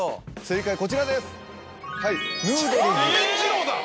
正解はこちらです。